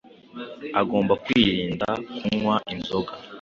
agomba kwirinda kunywa inzoga